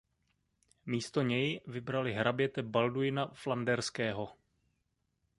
Místo něj vybrali hraběte Balduina Flanderského.